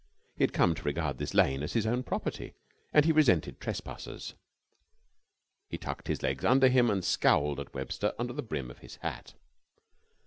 He had come to regard this lane as his own property, and he resented trespassers. He tucked his legs under him, and scowled at Webster under the brim of his hat.